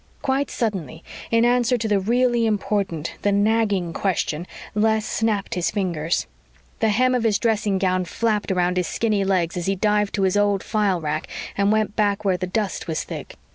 Quite suddenly, in answer to the really important, the nagging, question, Les snapped his fingers. The hem of his dressing gown flapped around his skinny legs as he dived to his old file rack and went back where the dust was thick.